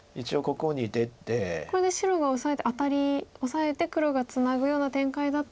これで白がオサえてアタリオサえて黒がツナぐような展開だと。